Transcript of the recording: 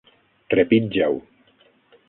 Trepitja-ho.